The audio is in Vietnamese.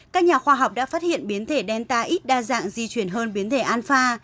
các nhà khoa học đã phát hiện biến thể delta x đa dạng di chuyển hơn biến thể alpha